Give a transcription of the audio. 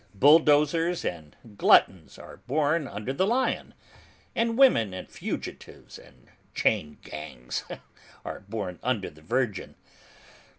Bulldozers and gluttons are born under the Lion, and women and fugitives and chain gangs are born under the Virgin.